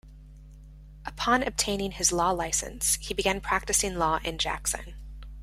Upon obtaining his law license, he began practicing law in Jackson.